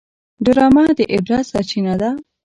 ډرامه د عبرت سرچینه ده